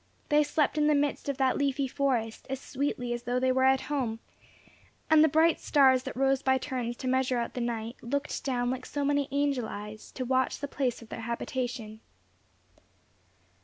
They slept in the midst of that leafy forest as sweetly as though they were at home, and the bright stars that rose by turns to measure out the night, looked down like so many angel eyes, to watch the place of their habitation.